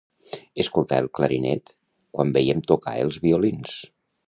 Escoltar el clarinet quan veiem tocar els violins.